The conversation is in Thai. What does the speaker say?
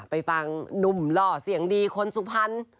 ไปฟังหนุ่มหล่อเสียงดีคนสุพรรณ